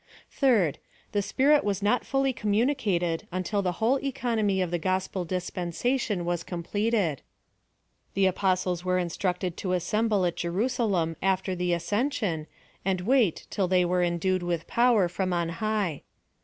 Third, The Spirit was not fully communicated until the whole economy of the gospel dispensation was completed. The apostles were instructed to assemble at Jerusalem after the ascension, and wait till they were endued with power from on high.